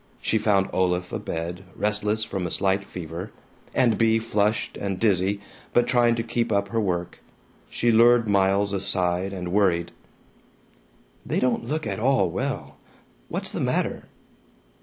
She found Olaf abed, restless from a slight fever, and Bea flushed and dizzy but trying to keep up her work. She lured Miles aside and worried: "They don't look at all well. What's the matter?"